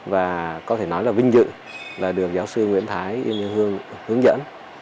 và có thể nói là vinh dự là được giáo sư nguyễn thái yên hương hướng dẫn